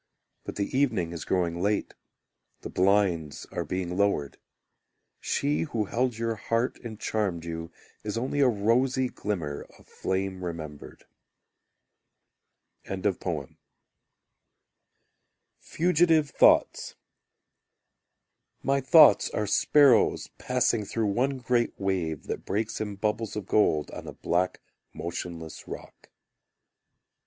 But the evening is growing late, The blinds are being lowered; She who held your heart and charmed you Is only a rosy glimmer of flame remembered. Fugitive Thoughts My thoughts are sparrows passing Through one great wave that breaks In bubbles of gold on a black motionless rock.